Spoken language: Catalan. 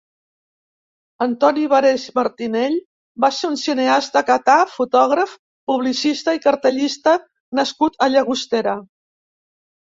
Antoni Varés Martinell va ser un cineasta catà, fotògraf, publicista i cartellista nascut a Llagostera.